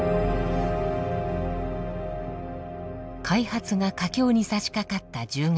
開発が佳境にさしかかった１０月。